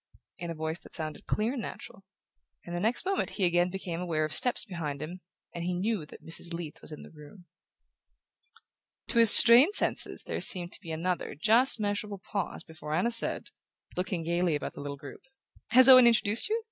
in a voice that sounded clear and natural; and the next moment he again became aware of steps behind him, and knew that Mrs. Leath was in the room. To his strained senses there seemed to be another just measurable pause before Anna said, looking gaily about the little group: "Has Owen introduced you?